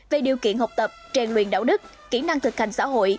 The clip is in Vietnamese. về điều kiện học tập trang luyện đạo đức kỹ năng thực hành xã hội